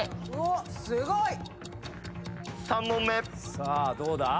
さあどうだ？